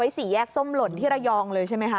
สี่แยกส้มหล่นที่ระยองเลยใช่ไหมคะ